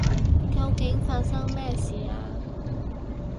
究竟發生咩事啊？